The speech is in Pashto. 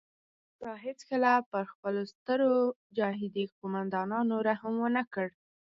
تا هیڅکله پر خپلو سترو جهادي قوماندانانو رحم ونه کړ.